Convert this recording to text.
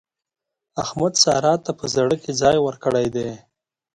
احمد سارا ته په زړه کې ځای ورکړی دی.